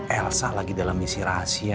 elsa lagi dalam misi rahasia